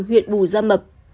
huyện bù gia mập